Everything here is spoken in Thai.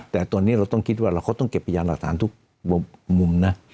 แต่ตอนนี้เราต้องคิดว่าเราเขาต้องเก็บพยานหลักฐานทุกมุมนะ